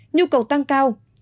nhu cầu tăng cao